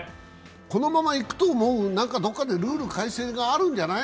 このままいくと、またどこかでルール改正があるんじゃない？